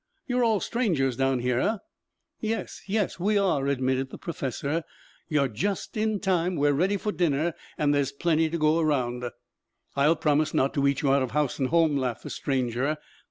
You're all strangers down here, eh?" "Yes, yes. We are," admitted the professor. "You are just in time. We are ready for dinner and there's plenty to go round." "I'll promise not to eat you out of house and home," laughed the stranger.